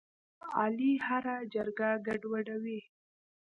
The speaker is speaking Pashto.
علي هره جرګه ګډوډوي.